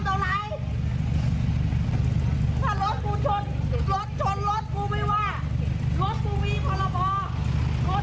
ถ้ารถกูชนรถชนรถกูไม่ว่ารถกูมีพรบรถกูระเทียนไม่ขาด